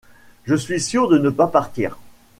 Je suis sûr de ne pas partir.